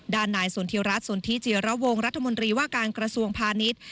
ด้านนายสนทิรัฐสนทิจิระวงรัฐมนตรีว่าการกระทรวงพาณิชย์